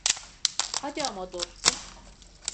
Hadi ama dostum.